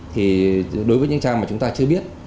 thì đối với những trang mà chúng ta chưa biết